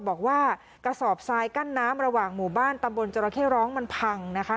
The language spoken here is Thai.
บอกว่ากระสอบทรายกั้นน้ำระหว่างหมู่บ้านตำบลจราเข้ร้องมันพังนะคะ